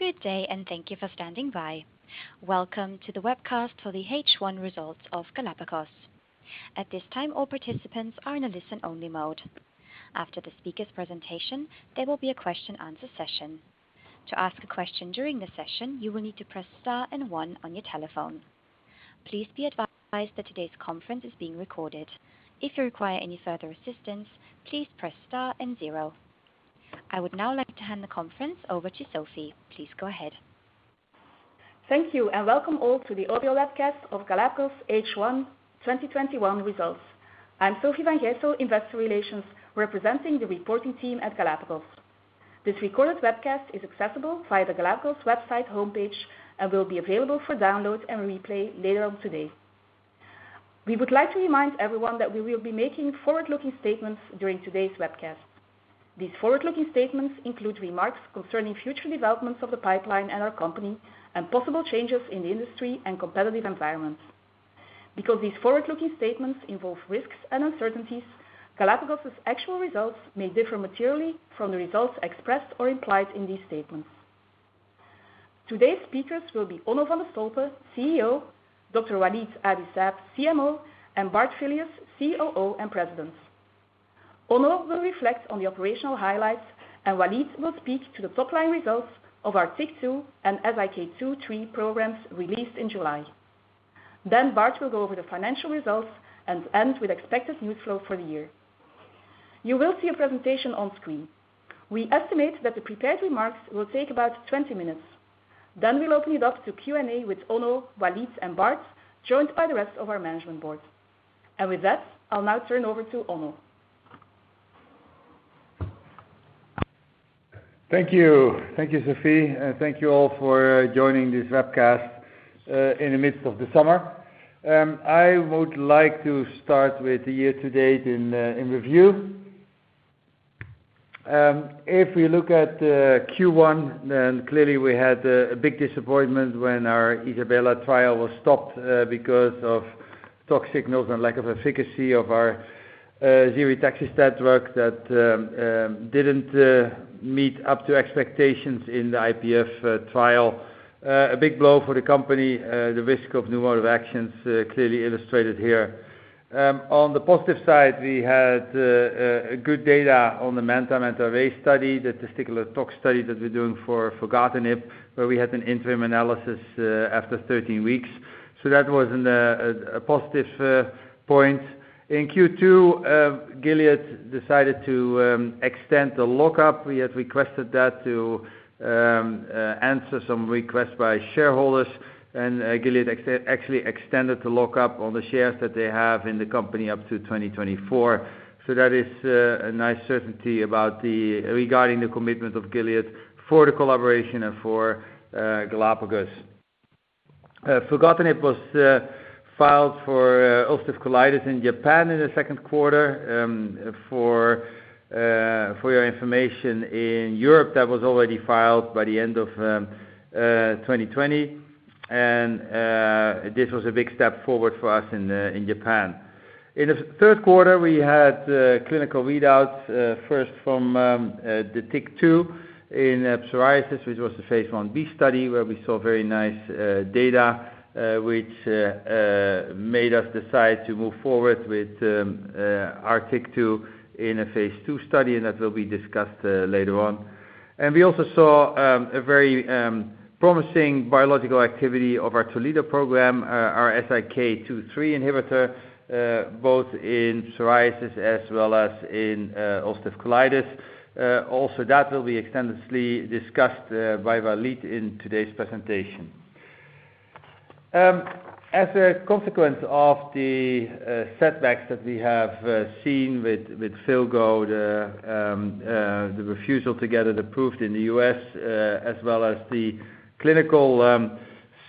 Good day and thank you for standing by. Welcome to the webcast for the H1 results of Galapagos. At this time all participants are in a listen-only mode. After the speakers' presentation there will be a question-and-answer session. To ask a question during the session you'll need to press star and one on your telephone. Please be advised that today's conference is being recorded. If you would require any assistance, please press star and zero. I Would now like to hand the conference over to Sofie. Please go ahead. Thank you. Welcome all to the audio webcast of Galapagos H1 2021 results. I'm Sofie Van Gijsel, Investor Relations, representing the reporting team at Galapagos. This recorded webcast is accessible via the Galapagos' website homepage and will be available for download and replay later on today. We would like to remind everyone that we will be making forward-looking statements during today's webcast. These forward-looking statements include remarks concerning future developments of the pipeline and our company and possible changes in the industry and competitive environments. Because these forward-looking statements involve risks and uncertainties, Galapagos' actual results may differ materially from the results expressed or implied in these statements. Today's speakers will be Onno van de Stolpe, CEO, Dr. Walid Abi-Saab, CMO, and Bart Filius, COO and President. Onno will reflect on the operational highlights. Walid will speak to the top-line results of our TYK2 and SIK2/3 programs released in July. Bart will go over the financial results and end with expected news flow for the year. You will see a presentation on screen. We estimate that the prepared remarks will take about 20 minutes. We'll open it up to Q&A with Onno, Walid, and Bart, joined by the rest of our Management Board. With that, I'll now turn over to Onno. Thank you. Thank you, Sofie, and thank you all for joining this webcast in the midst of the summer. I would like to start with the year-to-date in review. If we look at Q1, then clearly we had a big disappointment when our ISABELA trial was stopped because of tox signals and lack of efficacy of our ziritaxestat drug that didn't meet up to expectations in the IPF trial. A big blow for the company, the risk of new mode of actions, clearly illustrated here. On the positive side, we had good data on the MANTA/MANTA-RAy study, the testicular tox study that we're doing for filgotinib, where we had an interim analysis after 13 weeks. That was a positive point. In Q2, Gilead decided to extend the lock-up. We had requested that to answer some requests by shareholders, and Gilead actually extended the lock-up on the shares that they have in the company up to 2024. That is a nice certainty regarding the commitment of Gilead for the collaboration and for Galapagos. Filgotinib was filed for ulcerative colitis in Japan in the second quarter. For your information, in Europe, that was already filed by the end of 2020. This was a big step forward for us in Japan. In the third quarter, we had clinical readouts, first from the TYK2 in psoriasis, which was the phase I-B study, where we saw very nice data, which made us decide to move forward with our TYK2 in a phase II study, and that will be discussed later on. We also saw a very promising biological activity of our Toledo program, our SIK2/3 inhibitor, both in psoriasis as well as in ulcerative colitis. Also, that will be extensively discussed by Walid in today's presentation. As a consequence of the setbacks that we have seen with filgotinib, the refusal to get it approved in the U.S., as well as the clinical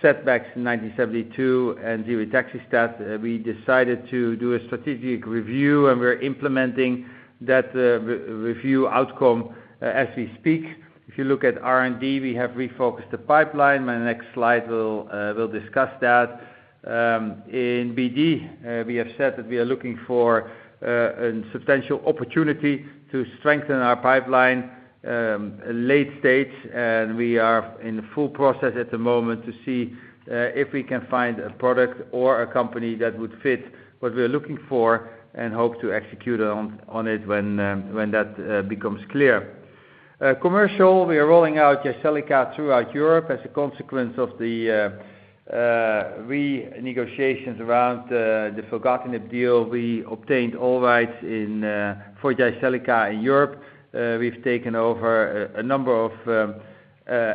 setbacks in GLPG1972 and ziritaxestat, we decided to do a strategic review, and we're implementing that review outcome as we speak. If you look at R&D, we have refocused the pipeline. My next slide will discuss that. In BD, we have said that we are looking for a substantial opportunity to strengthen our pipeline late stage. We are in the full process at the moment to see if we can find a product or a company that would fit what we're looking for and hope to execute on it when that becomes clear. Commercial, we are rolling out Jyseleca throughout Europe as a consequence of the renegotiations around the filgotinib deal. We obtained all rights for Jyseleca in Europe. We've taken over a number of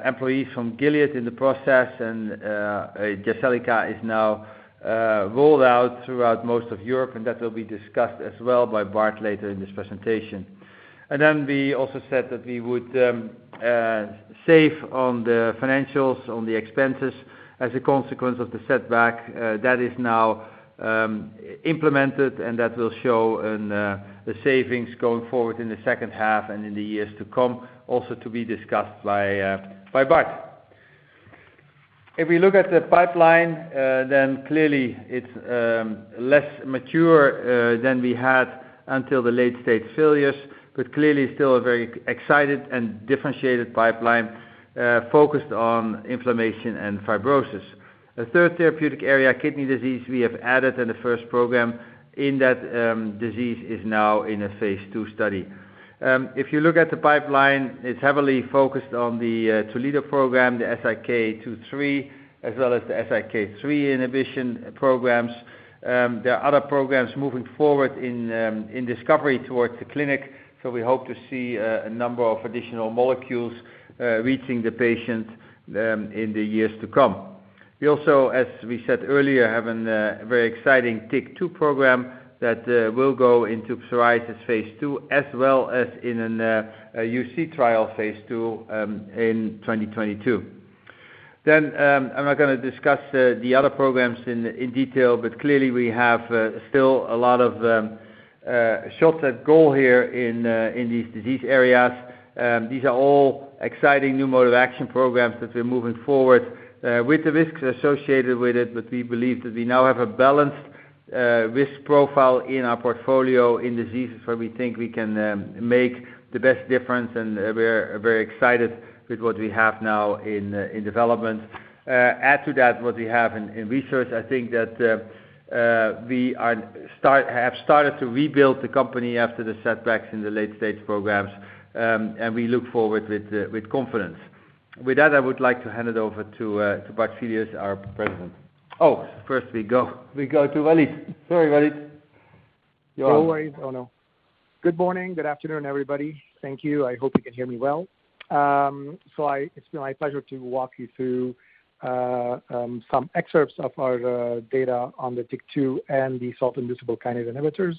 employees from Gilead in the process. Jyseleca is now rolled out throughout most of Europe. That will be discussed as well by Bart later in this presentation. We also said that we would save on the financials, on the expenses as a consequence of the setback. That is now implemented, and that will show in the savings going forward in the second half and in the years to come, also to be discussed by Bart. If we look at the pipeline, clearly it's less mature than we had until the late-stage failures, but clearly still a very excited and differentiated pipeline focused on inflammation and fibrosis. A third therapeutic area, kidney disease, we have added in the first program in that disease, is now in a phase II study. If you look at the pipeline, it's heavily focused on the Toledo program, the SIK2/3, as well as the SIK3 inhibition programs. There are other programs moving forward in discovery towards the clinic. We hope to see a number of additional molecules reaching the patient in the years to come. We also, as we said earlier, have a very exciting TYK2 program that will go into psoriasis phase II, as well as in a UC trial phase II, in 2022. I'm not going to discuss the other programs in detail, clearly we have still a lot of shots at goal here in these disease areas. These are all exciting new mode of action programs that we're moving forward with the risks associated with it. We believe that we now have a balanced risk profile in our portfolio in diseases where we think we can make the best difference. We're very excited with what we have now in development. Add to that what we have in research, I think that we have started to rebuild the company after the setbacks in the late-stage programs, and we look forward with confidence. With that, I would like to hand it over to Bart Filius, our President. Oh, first we go to Walid. Sorry, Walid. No worries, Onno. Good morning, good afternoon, everybody. Thank you. I hope you can hear me well. It's been my pleasure to walk you through some excerpts of our data on the TYK2 and the salt-inducible kinase inhibitors.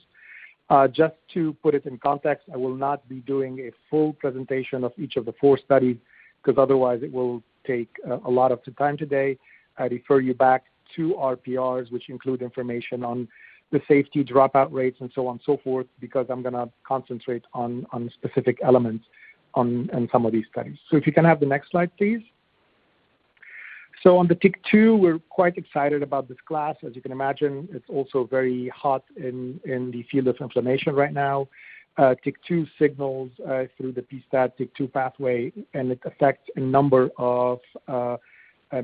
Just to put it in context, I will not be doing a full presentation of each of the four studies because otherwise it will take a lot of the time today. I refer you back to our PRs, which include information on the safety dropout rates and so on and so forth, because I'm going to concentrate on specific elements in some of these studies. If you can have the next slide, please. On the TYK2, we're quite excited about this class. As you can imagine, it's also very hot in the field of inflammation right now. TYK2 signals through the pSTAT/TYK2 pathway, and it affects a number of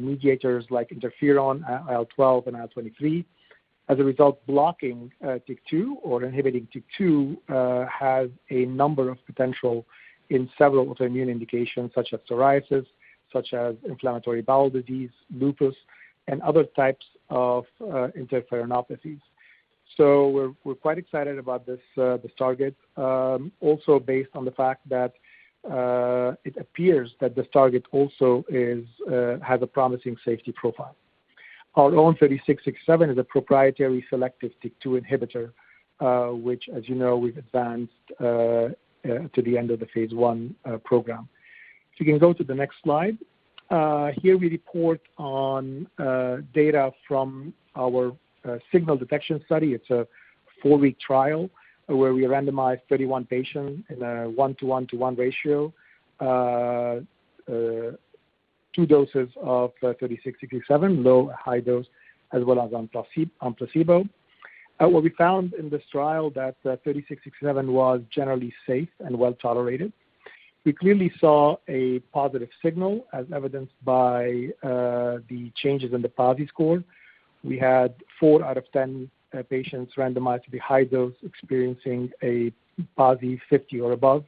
mediators like interferon, IL-12, and IL-23. As a result, blocking TYK2 or inhibiting TYK2 has a number of potential in several autoimmune indications such as psoriasis, such as inflammatory bowel disease, lupus, and other types of interferonopathies. We're quite excited about this target, also based on the fact that it appears that this target also has a promising safety profile. Our launched GLPG3667 is a proprietary selective TYK2 inhibitor, which as you know, we've advanced to the end of the phase I program. If you can go to the next slide. Here we report on data from our signal detection study. It's a four-week trial where we randomized 31 patients in a 1:1:1 ratio. two doses of GLPG3667, low, high dose, as well as on placebo. We found in this trial, that GLPG3667 was generally safe and well-tolerated. We clearly saw a positive signal as evidenced by the changes in the PASI score. We had four out of 10 patients randomized to the high dose experiencing a PASI 50 or above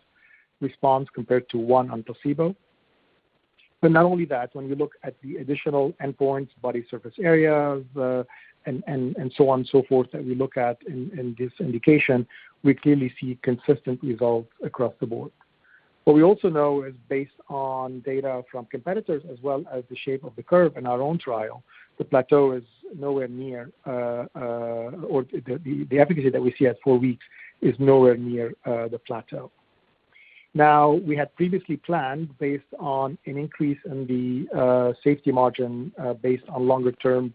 response compared to one on placebo. Not only that, when we look at the additional endpoints, body surface area, and so on and so forth, that we look at in this indication, we clearly see consistent results across the board. We also know is based on data from competitors, as well as the shape of the curve in our own trial, the efficacy that we see at four weeks is nowhere near the plateau. We had previously planned based on an increase in the safety margin based on longer-term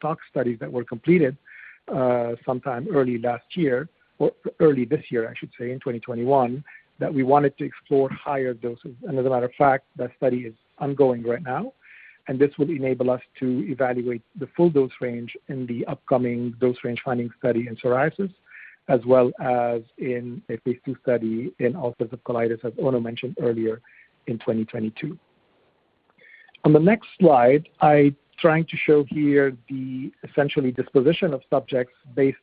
tox studies that were completed sometime early last year, or early this year, I should say, in 2021, that we wanted to explore higher doses. As a matter of fact, that study is ongoing right now, and this will enable us to evaluate the full-dose range in the upcoming dose-range finding study in psoriasis, as well as in a phase II study in ulcerative colitis, as Onno mentioned earlier, in 2022. On the next slide, I, trying to show here the essentially disposition of subjects based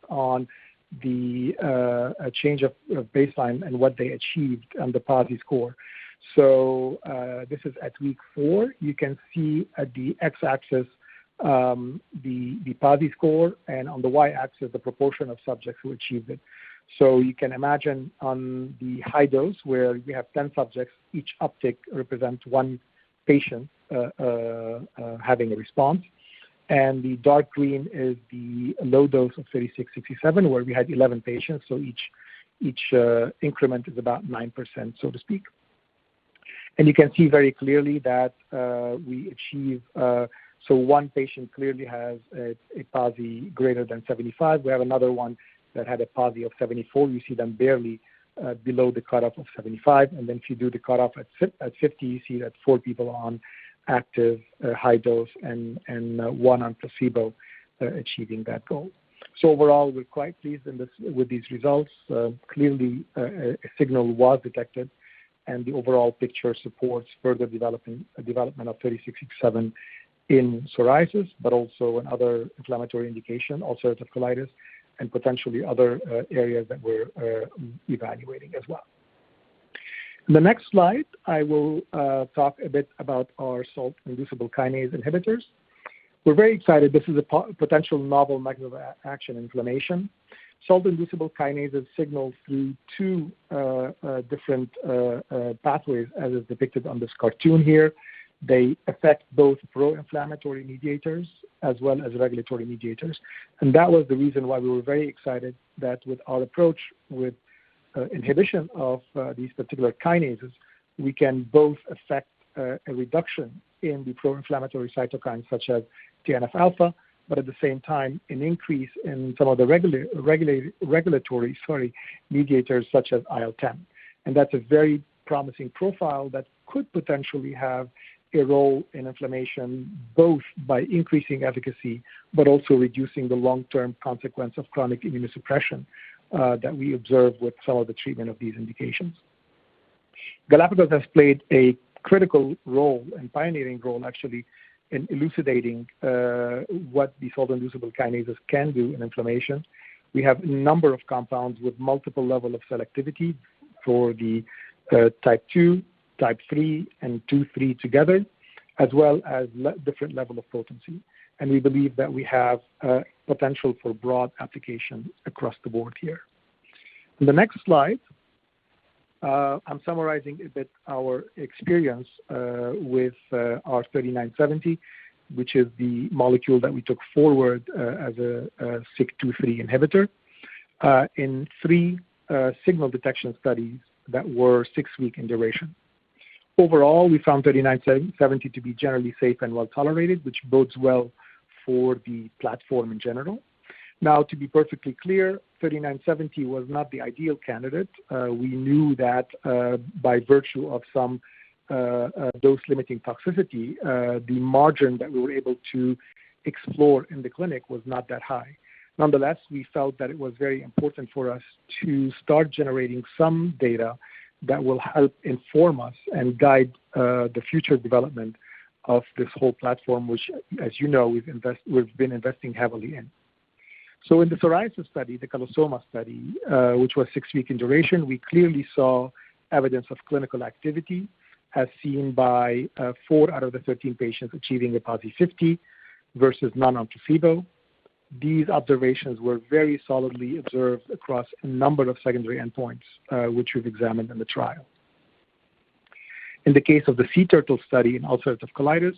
on the change of baseline and what they achieved on the PASI score. This is at week four. You can see at the X-axis, the PASI score, and on the Y-axis, the proportion of subjects who achieved it. You can imagine on the high dose where we have 10 subjects, each uptick represents one patient having a response. The dark green is the low dose of GLPG3667, where we had 11 patients. Each increment is about 9%, so to speak. You can see very clearly that we achieve one patient clearly has a PASI greater than 75. We have another one that had a PASI of 74. You see them barely below the cutoff of 75. If you do the cutoff at 50, you see that four people are on active high dose and one on placebo achieving that goal. Overall, we're quite pleased with these results. Clearly, a signal was detected, and the overall picture supports further development of GLPG3667 in psoriasis, but also in other inflammatory indication, ulcerative colitis, and potentially other areas that we're evaluating as well. In the next slide, I will talk a bit about our salt-inducible kinase inhibitors. We're very excited. This is a potential novel mechanism of action in inflammation. Salt-inducible kinase is signaled through two different pathways, as is depicted on this cartoon here. They affect both pro-inflammatory mediators as well as regulatory mediators. That was the reason why we were very excited that with our approach, with inhibition of these particular kinases, we can both affect a reduction in the pro-inflammatory cytokines such as TNF-alpha, but at the same time, an increase in some of the regulatory, sorry, mediators such as IL-10. That's a very promising profile that could potentially have a role in inflammation, both by increasing efficacy but also reducing the long-term consequence of chronic immunosuppression that we observe with some of the treatment of these indications. Galapagos has played a critical role, and pioneering role actually, in elucidating what the salt-inducible kinases can do in inflammation. We have a number of compounds with multiple level of selectivity for the type two, type three, and two/three together, as well as different level of potency. We believe that we have potential for broad application across the board here. In the next slide, I'm summarizing a bit our experience with our GLPG3970, which is the molecule that we took forward as a SIK2/3 inhibitor in three signal detection studies that were six-week in duration. Overall, we found GLPG3970 to be generally safe and well-tolerated, which bodes well for the platform in general. Now, to be perfectly clear, GLPG3970 was not the ideal candidate. We knew that by virtue of some dose-limiting toxicity, the margin that we were able to explore in the clinic was not that high. Nonetheless, we felt that it was very important for us to start generating some data that will help inform us and guide the future development of this whole platform, which, as you know, we've been investing heavily in. In the psoriasis study, the CALOSOMA study, which was six-week in duration, we clearly saw evidence of clinical activity as seen by four out of the 13 patients achieving a PASI 50 versus none on placebo. These observations were very solidly observed across a number of secondary endpoints, which we've examined in the trial. In the case of the SEA TURTLE study in ulcerative colitis,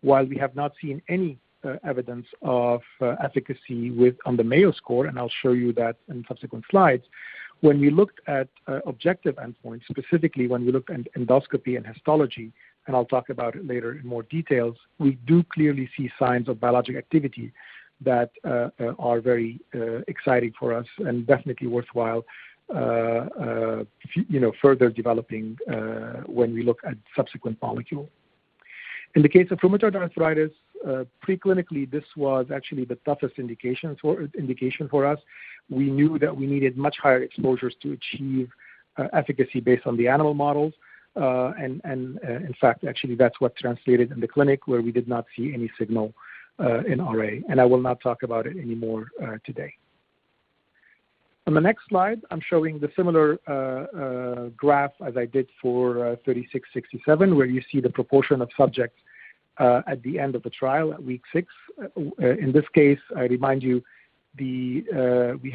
while we have not seen any evidence of efficacy on the Mayo Score, and I'll show you that in subsequent slides, when we looked at objective endpoints, specifically when we look at endoscopy and histology, and I'll talk about it later in more details, we do clearly see signs of biologic activity that are very exciting for us and definitely worthwhile further developing when we look at subsequent molecule. In the case of rheumatoid arthritis, preclinically, this was actually the toughest indication for us. We knew that we needed much higher exposures to achieve efficacy based on the animal models. In fact, actually, that's what translated in the clinic, where we did not see any signal in RA, and I will not talk about it anymore today. On the next slide, I'm showing the similar graph as I did for GLPG3667, where you see the proportion of subjects at the end of the trial at week six. In this case, I remind you, we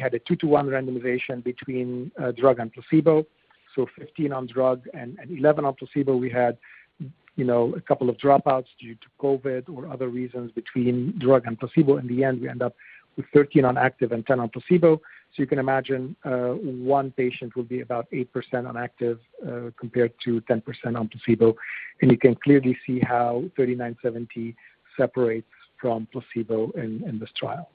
had a 2:1 randomization between drug and placebo, so 15 on drug and 11 on placebo. We had a couple of dropouts due to COVID or other reasons between drug and placebo. In the end, we end up with 13 on active and 10 on placebo. You can imagine one patient will be about 8% on active, compared to 10% on placebo. You can clearly see how GLPG3970 separates from placebo in this trial.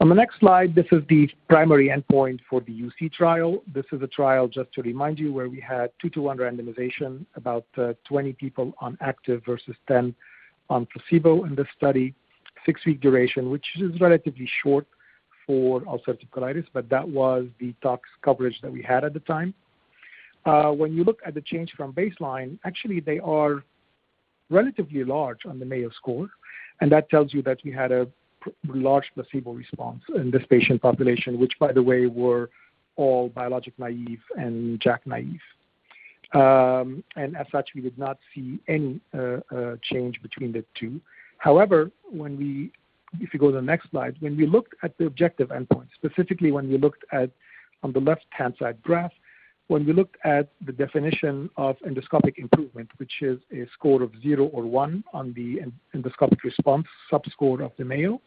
On the next slide, this is the primary endpoint for the UC trial. This is a trial, just to remind you, where we had 2:1 randomization, about 20 people on active versus 10 on placebo in this study. Six-week duration, which is relatively short for ulcerative colitis, but that was the tox coverage that we had at the time. When you look at the change from baseline, actually, they are relatively large on the Mayo Score, and that tells you that we had a large placebo response in this patient population, which, by the way, were all biologic naive and JAK naive. And as such, we did not see any change between the two. However, if you go to the next slide, when we looked at the objective endpoint, specifically when we looked at on the left-hand side graph, when we looked at the definition of endoscopic improvement, which is a score of zero or one on the endoscopic response sub-score of the Mayo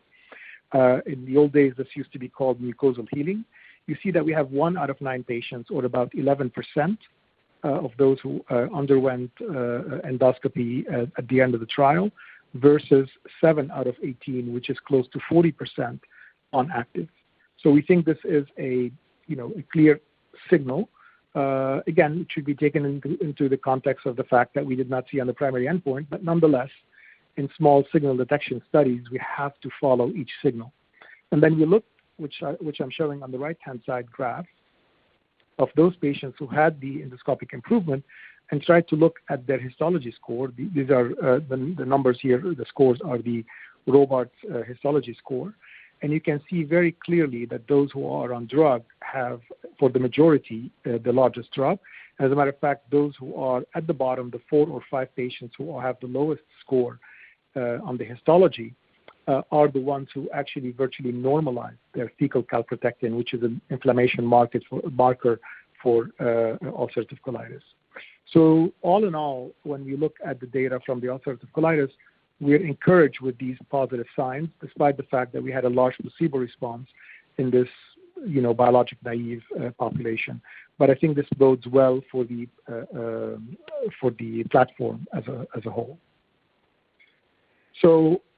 Score. In the old days, this used to be called mucosal healing. You see that we have one out of nine patients, or about 11%, of those who underwent endoscopy at the end of the trial, versus seven out of 18, which is close to 40% on active. We think this is a clear signal. Again, it should be taken into the context of the fact that we did not see on the primary endpoint, but nonetheless, in small signal detection studies, we have to follow each signal. We looked, which I am showing on the right-hand side graph, of those patients who had the endoscopic improvement and tried to look at their histology score. These are the numbers here. The scores are the Robarts Histology Score. You can see very clearly that those who are on drug have, for the majority, the largest drop. As a matter of fact, those who are at the bottom, the four or five patients who have the lowest score on the histology, are the ones who actually virtually normalize their fecal calprotectin, which is an inflammation marker for ulcerative colitis. All in all, when we look at the data from the ulcerative colitis, we are encouraged with these positive signs, despite the fact that we had a large placebo response in this biologic-naive population. I think this bodes well for the platform as a whole.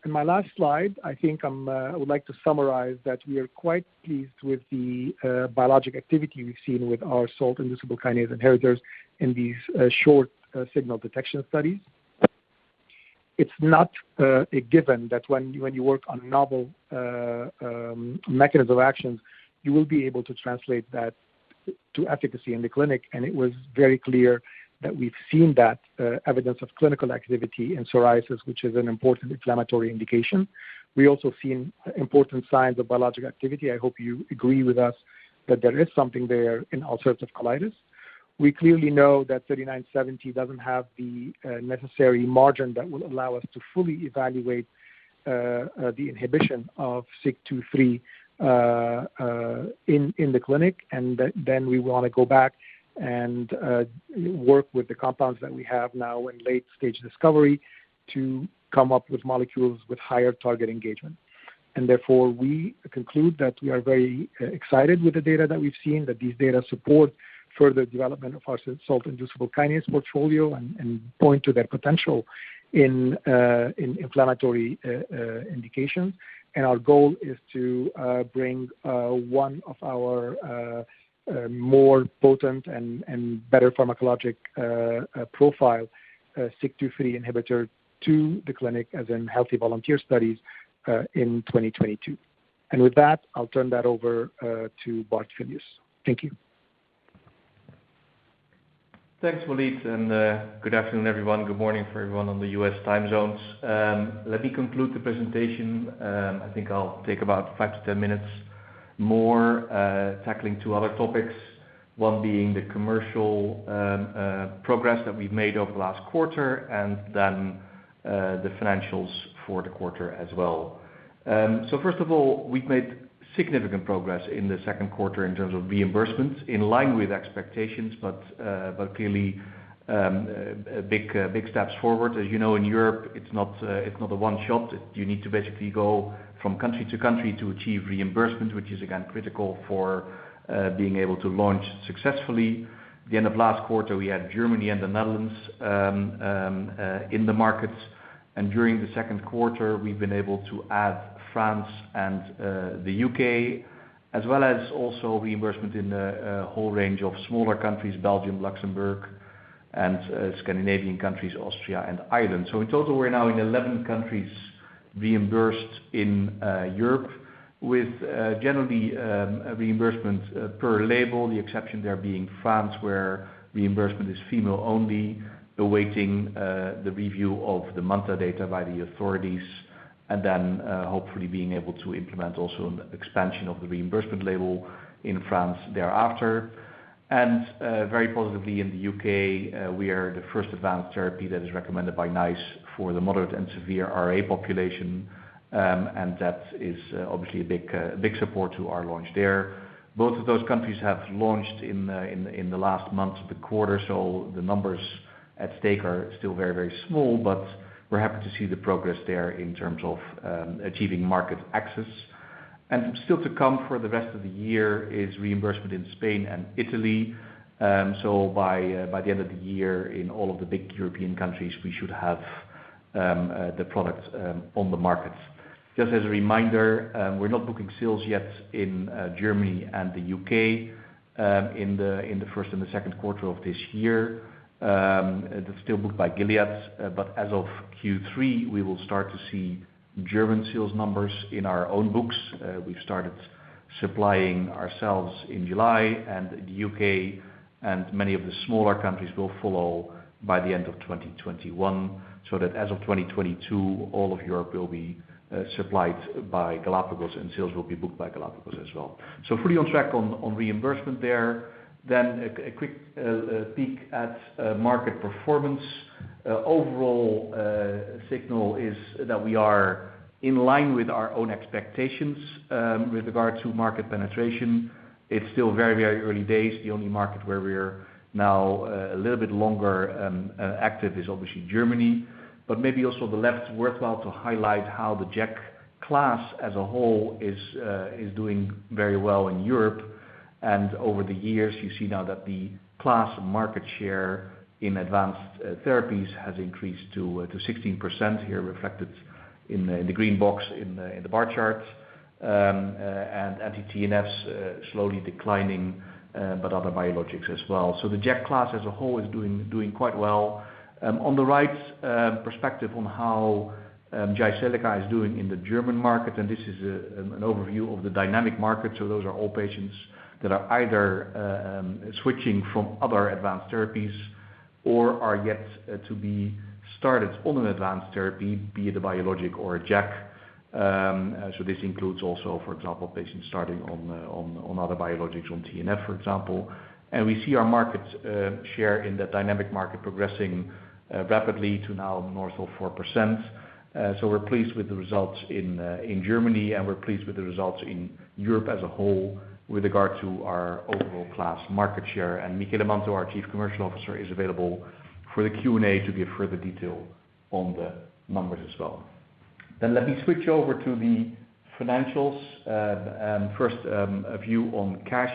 In my last slide, I think I would like to summarize that we are quite pleased with the biologic activity we've seen with our salt-inducible kinase inhibitors in these short-signal detection studies. It's not a given that when you work on novel mechanism of actions, you will be able to translate that to efficacy in the clinic. It was very clear that we've seen that evidence of clinical activity in psoriasis, which is an important inflammatory indication. We also seen important signs of biologic activity. I hope you agree with us that there is something there in ulcerative colitis. We clearly know that GLPG3970 doesn't have the necessary margin that will allow us to fully evaluate the inhibition of SIK2/3 in the clinic. We want to go back and work with the compounds that we have now in late-stage discovery to come up with molecules with higher target engagement. Therefore, we conclude that we are very excited with the data that we've seen, that these data support further development of our salt-inducible kinase portfolio and point to their potential in inflammatory indication. Our goal is to bring one of our more potent and better pharmacologic profile, SIK2/3 inhibitor, to the clinic as in healthy volunteer studies, in 2022. With that, I'll turn that over to Bart Filius. Thank you. Thanks, Walid. Good afternoon, everyone. Good morning for everyone on the U.S. time zones. Let me conclude the presentation. I think I'll take about 5-10 minutes more, tackling two other topics, one being the commercial progress that we've made over the last quarter, and then the financials for the quarter as well. First of all, we've made significant progress in the second quarter in terms of reimbursements in line with expectations, but clearly, big steps forward. As you know, in Europe, it's not a one-shot. You need to basically go from country-to-country to achieve reimbursement, which is again, critical for being able to launch successfully. The end of last quarter, we had Germany and the Netherlands in the markets. During the second quarter, we've been able to add France and the U.K., as well as also reimbursement in a whole range of smaller countries, Belgium, Luxembourg, and Scandinavian countries, Austria and Ireland. In total, we're now in 11 countries reimbursed in Europe with generally reimbursement per label, the exception there being France, where reimbursement is female only, awaiting the review of the MANTA data by the authorities, and then hopefully being able to implement also an expansion of the reimbursement label in France thereafter. Very positively in the U.K., we are the first advanced therapy that is recommended by NICE for the moderate and severe RA population, and that is obviously a big support to our launch there. Both of those countries have launched in the last month of the quarter, so the numbers at stake are still very small, but we're happy to see the progress there in terms of achieving market access. Still to come for the rest of the year is reimbursement in Spain and Italy. By the end of the year, in all of the big European countries, we should have the product on the markets. Just as a reminder, we're not booking sales yet in Germany and the U.K. in the first and the second quarter of this year. That's still booked by Gilead. As of Q3, we will start to see German sales numbers in our own books. We've started supplying ourselves in July. The U.K. and many of the smaller countries will follow by the end of 2021, as of 2022, all of Europe will be supplied by Galapagos, and sales will be booked by Galapagos as well. Fully on track on reimbursement there. A quick peek at market performance. Overall signal is that we are in line with our own expectations with regard to market penetration. It's still very early days. The only market where we're now a little bit longer active is obviously Germany. Maybe also it's worthwhile to highlight how the JAK class as a whole is doing very well in Europe. Over the years, you see now that the class market share in advanced therapies has increased to 16%, here reflected in the green box in the bar chart. Anti-TNFs slowly declining, but other biologics as well. The JAK class as a whole is doing quite well. On the right, perspective on how Jyseleca is doing in the German market, this is an overview of the dynamic market. Those are all patients that are either switching from other advanced therapies or are yet to be started on an advanced therapy, be it a biologic or a JAK. This includes also, for example, patients starting on other biologics, on TNF, for example. We see our market share in the dynamic market progressing rapidly to now north of 4%. We're pleased with the results in Germany, we're pleased with the results in Europe as a whole with regard to our overall class market share. Michele Manto, our Chief Commercial Officer, is available for the Q&A to give further detail on the numbers as well. Let me switch over to the financials. First, a view on cash.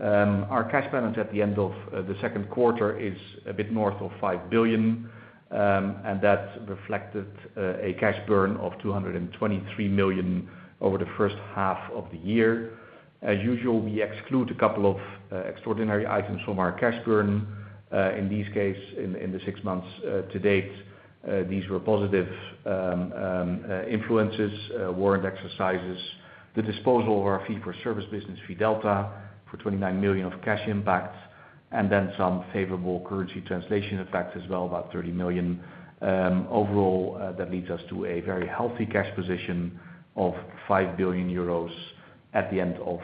Our cash balance at the end of the second quarter is a bit north of 5 billion, and that reflected a cash burn of 223 million over the first half of the year. As usual, we exclude a couple of extraordinary items from our cash burn. In this case, in the six months-to-date, these were positive influences, warrant exercises. The disposal of our fee-for-service business, Fidelta, for 29 million of cash impact, and then some favorable currency translation effects as well, about 30 million. Overall, that leads us to a very healthy cash position of 5 billion euros at the end of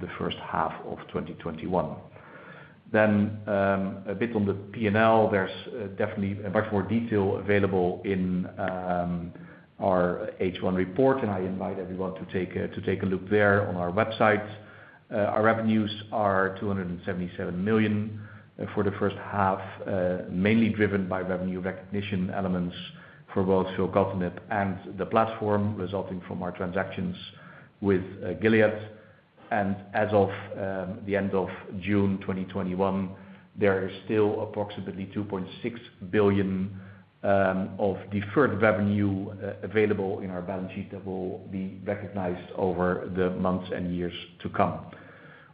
the first half of 2021. A bit on the P&L. There is definitely much more detail available in our H1 report, and I invite everyone to take a look there on our website. Our revenues are 277 million for the first half, mainly driven by revenue recognition elements for both filgotinib and the platform resulting from our transactions with Gilead. As of the end of June 2021, there is still approximately 2.6 billion of deferred revenue available in our balance sheet that will be recognized over the months and years to come.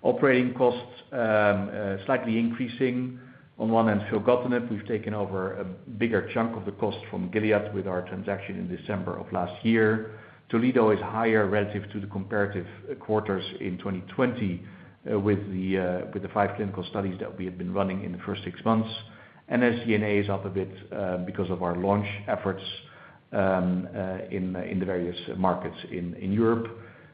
Operating costs slightly increasing. On one hand, filgotinib, we have taken over a bigger chunk of the cost from Gilead with our transaction in December of last year. Toledo is higher relative to the comparative quarters in 2020 with the five clinical studies that we have been running in the first six months. SG&A is up a bit because of our launch efforts in the various markets in Europe.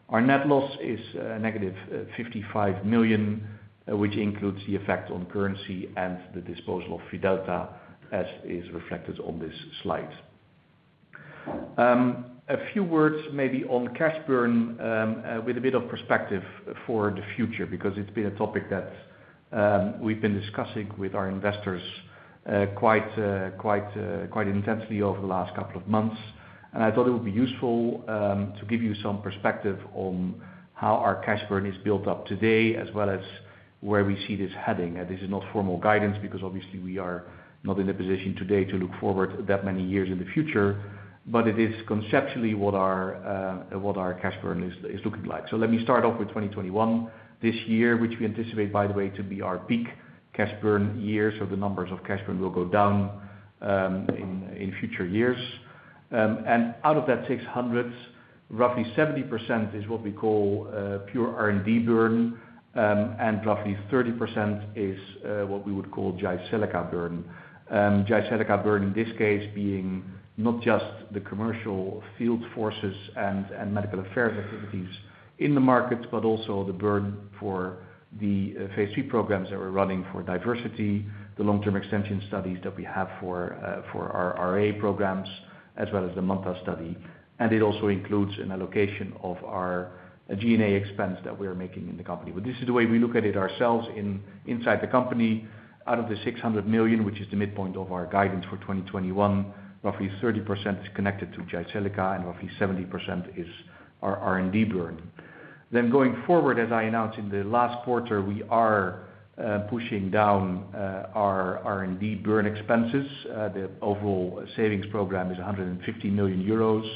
Our net loss is -55 million, which includes the effect on currency and the disposal of Fidelta as is reflected on this slide. A few words maybe on cash burn with a bit of perspective for the future, because it's been a topic that we've been discussing with our investors quite intensely over the last couple of months. I thought it would be useful to give you some perspective on how our cash burn is built up today, as well as where we see this heading. This is not formal guidance because obviously we are not in a position today to look forward that many years in the future, but it is conceptually what our cash burn is looking like. Let me start off with 2021. This year, which we anticipate, by the way, to be our peak cash burn year. The numbers of cash burn will go down in future years. Out of that 600 million, roughly 70% is what we call pure R&D burn, and roughly 30% is what we would call Jyseleca burn. Jyseleca burn, in this case, being not just the commercial field forces and medical affairs activities in the market, but also the burn for the phase III programs that we're running for DIVERSITY, the long-term extension studies that we have for our RA programs, as well as the MANTA study. It also includes an allocation of our G&A expense that we are making in the company. This is the way we look at it ourselves inside the company. Out of the 600 million, which is the midpoint of our guidance for 2021, roughly 30% is connected to Jyseleca and roughly 70% is our R&D burn. Going forward, as I announced in the last quarter, we are pushing down our R&D burn expenses. The overall savings program is 150 million euros.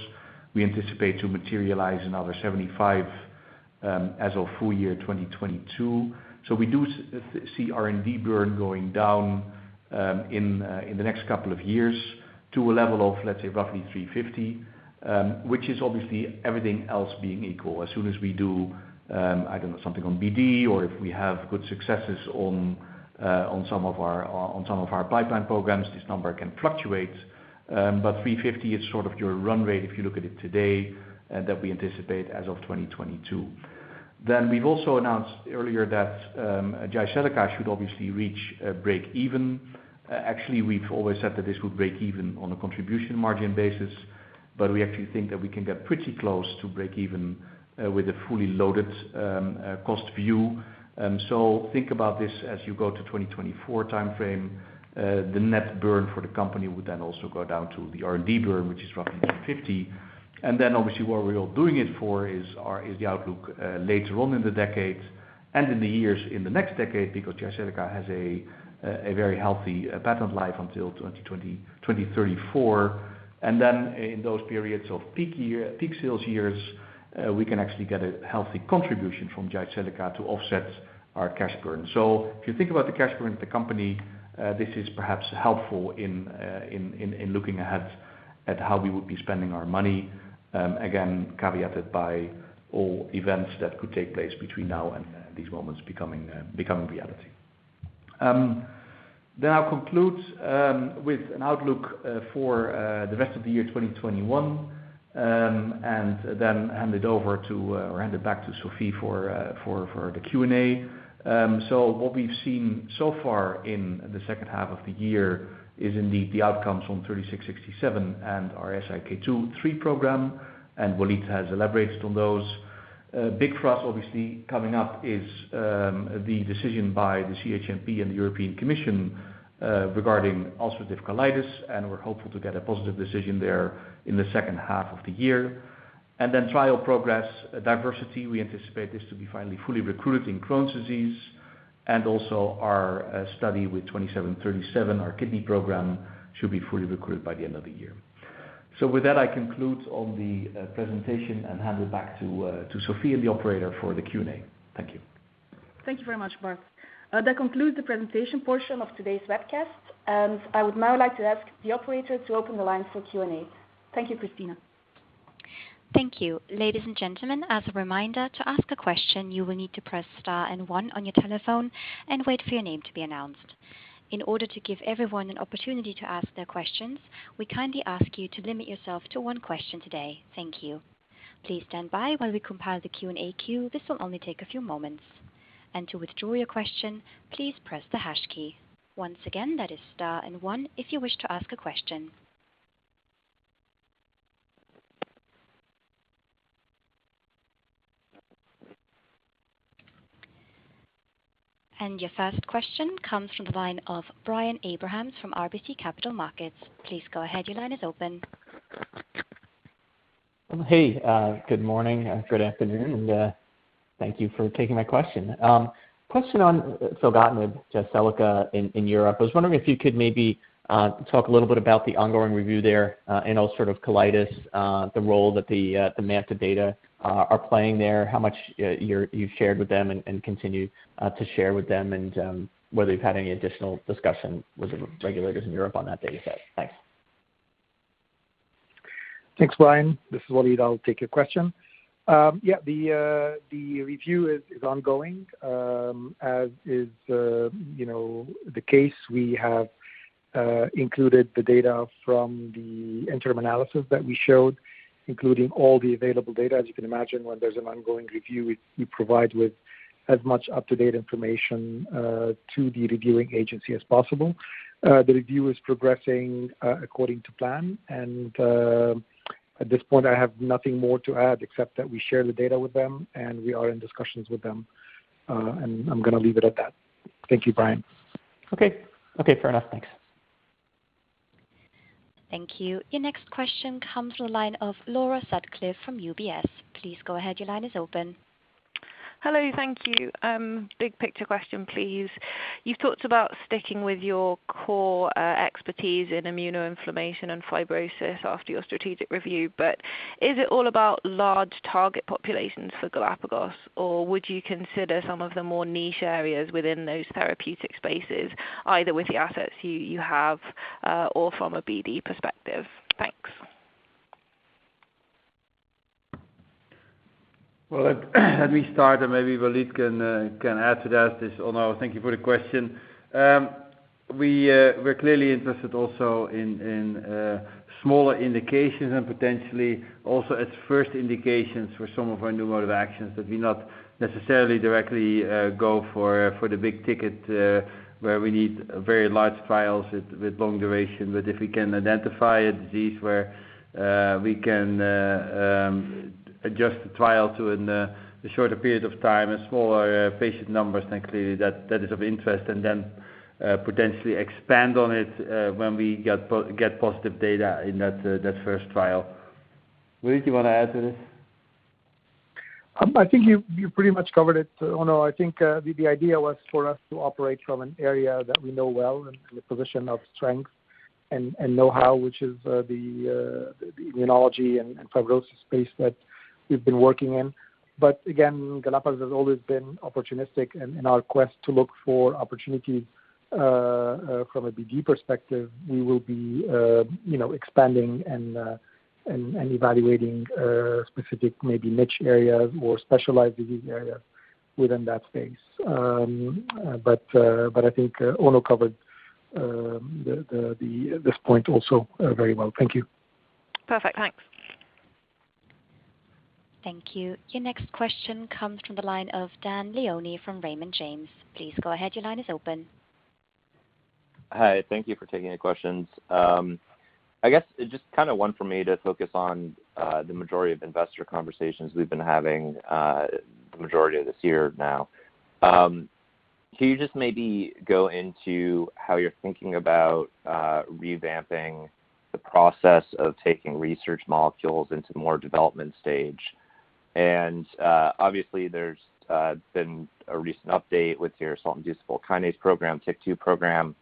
We anticipate to materialize another 75 million as of full year 2022. We do see R&D burn going down in the next couple of years to a level of, let's say, roughly 350 million, which is obviously everything else being equal. As soon as we do, I don't know, something on BD or if we have good successes on some of our pipeline programs, this number can fluctuate. 350 million is sort of your run rate if you look at it today, that we anticipate as of 2022. We've also announced earlier that Jyseleca should obviously reach breakeven. Actually, we've always said that this would break even on a contribution margin basis, but we actually think that we can get pretty close to breakeven with a fully loaded cost view. Think about this as you go to 2024 time frame. The net burn for the company would then also go down to the R&D burn, which is roughly 250 million. Obviously what we're all doing it for is the outlook later on in the decade. In the years in the next decade, because Jyseleca has a very healthy patent life until 2034. Then in those periods of peak-sales years, we can actually get a healthy contribution from Jyseleca to offset our cash burn. If you think about the cash burn of the company, this is perhaps helpful in looking ahead at how we would be spending our money. Again, caveated by all events that could take place between now and these moments becoming reality. I'll conclude with an outlook for the rest of the year 2021, and then hand it back to Sofie for the Q&A. What we've seen so far in the second half of the year is indeed the outcomes from GLPG3667 and our SIK2/3 program, and Walid has elaborated on those. Big for us, obviously, coming up is the decision by the CHMP and the European Commission regarding ulcerative colitis, and we're hopeful to get a positive decision there in the second half of the year. Trial progress, DIVERSITY, we anticipate this to be finally fully recruited in Crohn's disease. Our study with GLPG2737, our kidney program, should be fully recruited by the end of the year. With that, I conclude on the presentation and hand it back to Sofie and the operator for the Q&A. Thank you. Thank you very much, Bart. That concludes the presentation portion of today's webcast. I would now like to ask the operator to open the lines for Q&A. Thank you, Christina. Thank you. Ladies and gentlemen, as a reminder, to ask a question, you will need to press star and one on your telephone and wait for your name to be announced. In order to give everyone an opportunity to ask their questions, we kindly ask you to limit yourself to one question today. Thank you. Please stand by while we compile the Q&A queue. This will only take a few moments. To withdraw your question, please press the hash key. Once again, that is star and one if you wish to ask a question. Your first question comes from the line of Brian Abrahams from RBC Capital Markets. Please go ahead, your line is open. Hey, good morning, good afternoon, and thank you for taking my question. Question on filgotinib, Jyseleca, in Europe. I was wondering if you could maybe talk a little bit about the ongoing review there in ulcerative colitis, the role that the MANTA data are playing there, how much you've shared with them and continue to share with them, and whether you've had any additional discussion with the regulators in Europe on that data set? Thanks. Thanks, Brian. This is Walid. I'll take your question. Yeah, the review is ongoing. As is the case, we have included the data from the interim analysis that we showed, including all the available data. As you can imagine, when there's an ongoing review, we provide with as much up-to-date information to the reviewing agency as possible. The review is progressing according to plan, and at this point, I have nothing more to add except that we share the data with them, and we are in discussions with them. And I'm going to leave it at that. Thank you, Brian. Okay. Fair enough. Thanks. Thank you. Your next question comes from the line of Laura Sutcliffe from UBS. Please go ahead, your line is open. Hello, thank you. Big picture question, please. You've talked about sticking with your core expertise in immunoinflammation and fibrosis after your strategic review, but is it all about large target populations for Galapagos, or would you consider some of the more niche areas within those therapeutic spaces, either with the assets you have or from a BD perspective? Thanks. Well, let me start and maybe Walid can add to that. This is Onno. Thank you for the question. We're clearly interested also in smaller indications and potentially also as first indications for some of our new mode of actions, that we not necessarily directly go for the big ticket, where we need very large trials with long duration. If we can identify a disease where we can adjust the trial to a shorter period of time and smaller patient numbers, then clearly that is of interest, and then potentially expand on it when we get positive data in that first trial. Walid, you want to add to this? I think you pretty much covered it, Onno. I think the idea was for us to operate from an area that we know well and a position of strength and know-how, which is the immunology and fibrosis space that we've been working in. Again, Galapagos has always been opportunistic and in our quest to look for opportunities from a BD perspective, we will be expanding and evaluating specific, maybe niche areas or specialized disease areas within that space. I think Onno covered this point also very well. Thank you. Perfect. Thanks. Thank you. Your next question comes from the line of Dane Leone from Raymond James. Please go ahead, your line is open. Hi. Thank you for taking the questions. I guess just one for me to focus on the majority of investor conversations we've been having the majority of this year now. Can you just maybe go into how you're thinking about revamping the process of taking research molecules into more development stage? Obviously there's been a recent update with your salt-inducible kinase program, TYK2 program.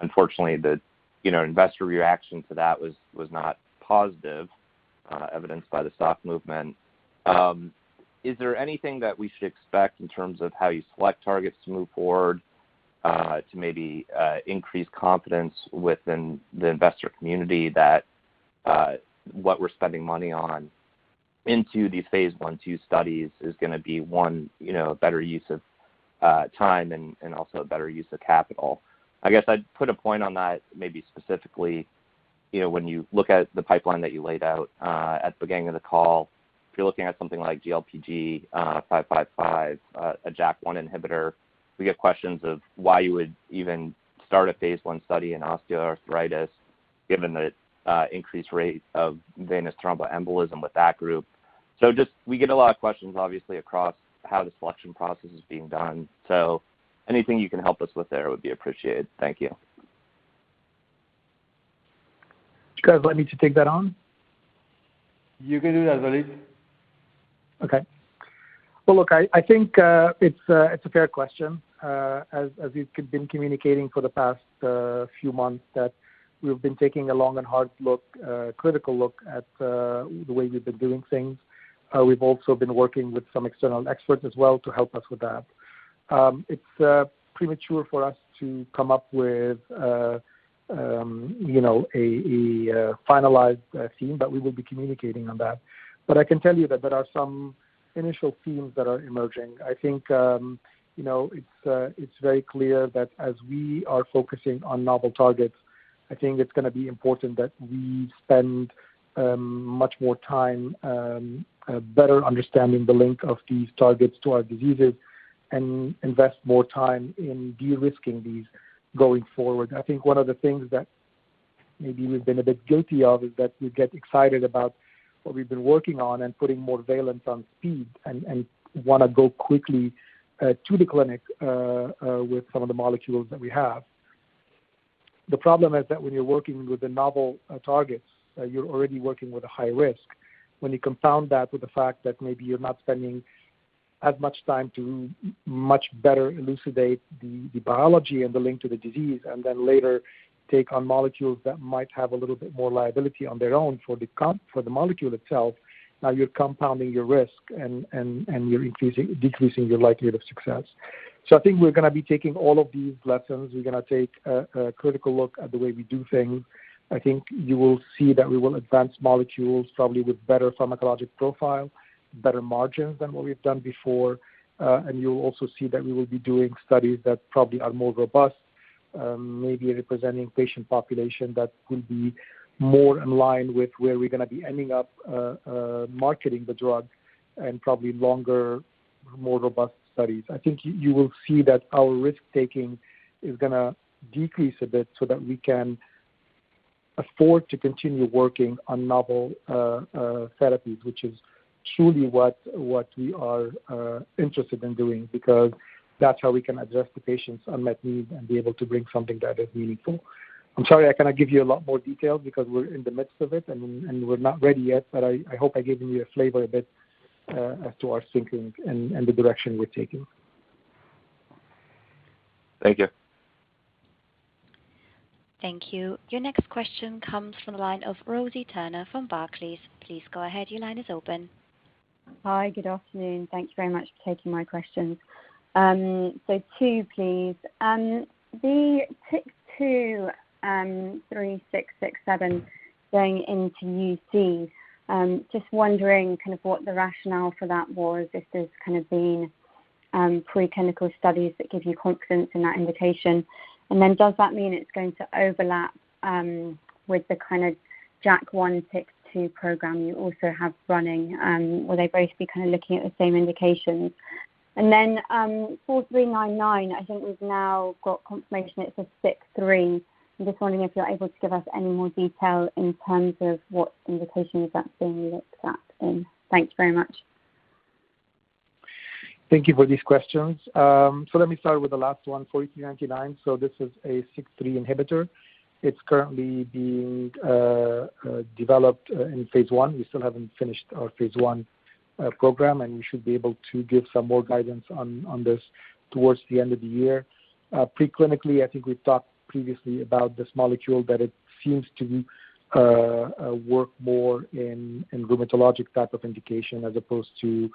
Unfortunately, the investor reaction to that was not positive, evidenced by the stock movement. Is there anything that we should expect in terms of how you select targets to move forward, to maybe increase confidence within the investor community that what we're spending money on into these phase I/II studies is going to be, one, a better use of time and also a better use of capital? I guess I'd put a point on that maybe specifically, when you look at the pipeline that you laid out, at the beginning of the call. If you're looking at something like GLPG0555, a JAK1 inhibitor, we get questions of why you would even start a phase I study in osteoarthritis given the increased rate of venous thromboembolism with that group. Just, we get a lot of questions obviously across how the selection process is being done. Anything you can help us with there would be appreciated. Thank you. Guys, want me to take that on? You can do that, Walid. Okay. Well, look, I think it's a fair question. As we've been communicating for the past few months that we've been taking a long and hard look, a critical look at the way we've been doing things. We've also been working with some external experts as well to help us with that. It's premature for us to come up with a finalized theme, but we will be communicating on that. I can tell you that there are some initial themes that are emerging. I think, it's very clear that as we are focusing on novel targets, I think it's going to be important that we spend much more time better understanding the link of these targets to our diseases and invest more time in de-risking these going forward. I think one of the things that maybe we've been a bit guilty of is that we get excited about what we've been working on and putting more valence on speed and want to go quickly to the clinic with some of the molecules that we have. The problem is that when you're working with the novel targets, you're already working with a high risk. When you compound that with the fact that maybe you're not spending as much time to much better elucidate the biology and the link to the disease, and then later take on molecules that might have a little bit more liability on their own for the molecule itself, now you're compounding your risk and you're decreasing your likelihood of success. I think we're going to be taking all of these lessons. We're going to take a critical look at the way we do things. I think you will see that we will advance molecules probably with better pharmacologic profile, better margins than what we've done before. You'll also see that we will be doing studies that probably are more robust, maybe representing patient population that will be more in line with where we're going to be ending up marketing the drug and probably longer, more robust studies. I think you will see that our risk-taking is going to decrease a bit so that we can afford to continue working on novel therapies, which is truly what we are interested in doing, because that's how we can address the patient's unmet needs and be able to bring something that is meaningful. I'm sorry I cannot give you a lot more detail because we're in the midst of it and we're not ready yet, but I hope I've given you a flavor a bit as to our thinking and the direction we're taking. Thank you. Thank you. Your next question comes from the line of Rosie Turner from Barclays. Please go ahead. Your line is open. Hi. Good afternoon. Thank you very much for taking my questions. Take two, please. The TYK2, GLPG3667, going into UC. Just wondering what the rationale for that was if there's kind of been pre-clinical studies that give you confidence in that indication. Does that mean it's going to overlap with the kind of JAK1/TYK2 program you also have running? Will they both be looking at the same indications? GLPG4399, I think we've now got confirmation it's a SIK3. I'm just wondering if you're able to give us any more detail in terms of what indication is that being looked at in? Thank you very much. Thank you for these questions. Let me start with the last one, GLPG4399. This is a SIK3 inhibitor. It is currently being developed in phase I. We still have not finished our phase I program, and we should be able to give some more guidance on this towards the end of the year. Pre-clinically, I think we have talked previously about this molecule, that it seems to work more in rheumatologic type of indication as opposed to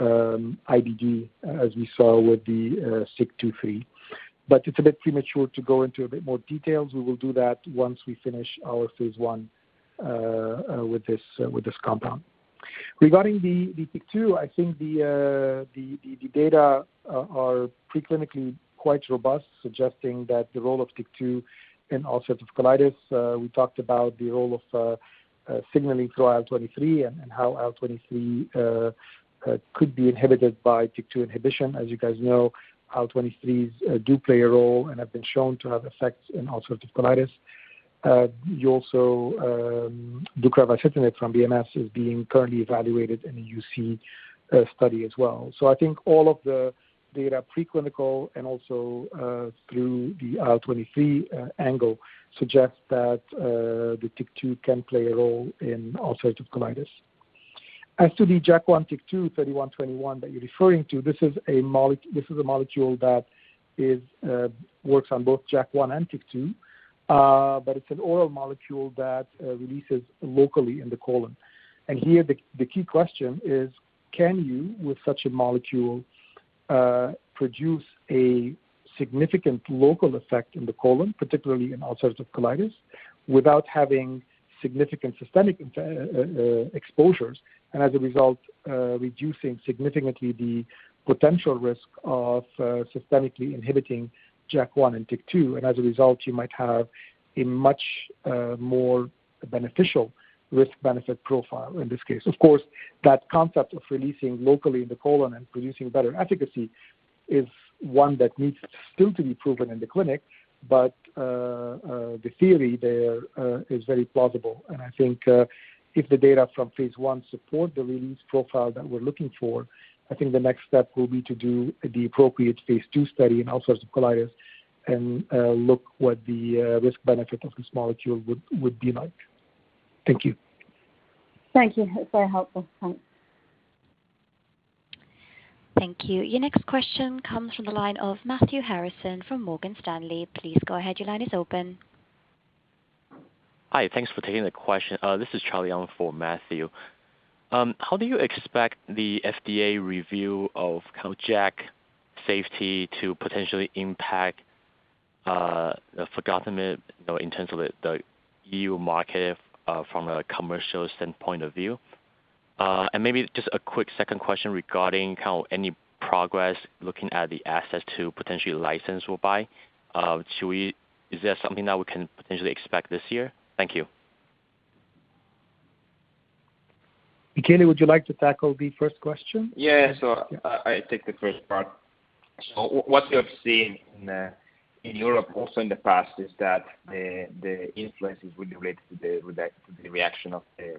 IBD, as we saw with the TYK2/3. It is a bit premature to go into a bit more details. We will do that once we finish our phase I with this compound. Regarding the TYK2, I think the data are pre-clinically quite robust, suggesting that the role of TYK2 in ulcerative colitis, we talked about the role of signaling through IL-23 and how IL-23 could be inhibited by TYK2 inhibition. As you guys know, IL-23s do play a role and have been shown to have effects in ulcerative colitis. Deucravacitinib from BMS is being currently evaluated in a UC study as well. I think all of the data, preclinical and also through the IL-23 angle, suggests that the TYK2 can play a role in ulcerative colitis. As to the JAK1/TYK2 GLPG3121 that you're referring to, this is a molecule that works on both JAK1 and TYK2, but it's an oral molecule that releases locally in the colon. Here, the key question is, can you, with such a molecule, produce a significant local effect in the colon, particularly in ulcerative colitis, without having significant systemic exposures, and as a result, reducing significantly the potential risk of systemically inhibiting JAK1 and TYK2? As a result, you might have a much more beneficial risk-benefit profile in this case. Of course, that concept of releasing locally in the colon and producing better efficacy is one that needs still to be proven in the clinic. The theory there is very plausible. I think if the data from phase I support the release profile that we're looking for, I think the next step will be to do the appropriate phase II study in ulcerative colitis and look what the risk-benefit of this molecule would be like. Thank you. Thank you. It is very helpful. Thanks. Thank you. Your next question comes from the line of Matthew Harrison from Morgan Stanley. Please go ahead. Your line is open. Hi. Thanks for taking the question. This is Charlie on for Matthew. How do you expect the FDA review of JAK safety to potentially impact filgotinib in terms of the EU market from a commercial standpoint of view? Maybe just a quick second question regarding any progress looking at the assets to potentially license [Rubi]. Is that something that we can potentially expect this year? Thank you. Michele, would you like to tackle the first question? Yeah. I take the first part. What we have seen in Europe also in the past is that the influences would be related to the reaction of the